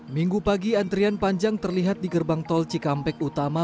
minggu pagi antrean panjang terlihat di gerbang tol cikampek utama